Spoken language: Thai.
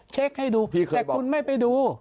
ให้ดูแต่คุณไม่ไปดู